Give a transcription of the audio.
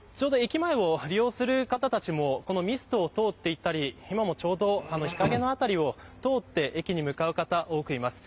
駅前を利用する方たちもこのミストを通って行ったり今もちょうど日陰の辺りを通って駅に向かう方が多くいます。